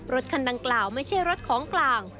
รถคันดังกล่าวไม่ใช่รถของกลาง